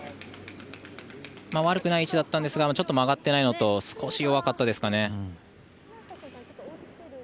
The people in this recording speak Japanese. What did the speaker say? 悪くない位置だったんですがちょっと曲がってないのと少し弱かったですかね。